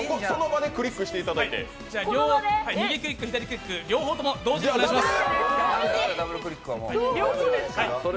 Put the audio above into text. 右クリック、左クリック同時にお願いします。